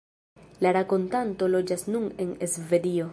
La rakontanto loĝas nun en Svedio.